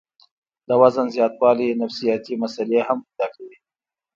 د وزن زياتوالے نفسياتي مسئلې هم پېدا کوي